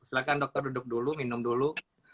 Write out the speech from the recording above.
silahkan dokter duduk dulu minum dulu